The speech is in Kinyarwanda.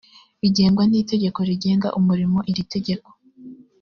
bigengwa n itegeko rigenga umurimo iri tegeko